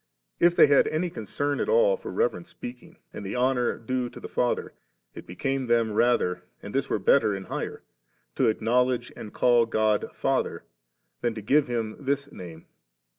If they had any concern at all « for reverent speaking and the honour due to the Father, it became them rather, and this were better and higher, to acknowledge and call God Father, than to give Him this name.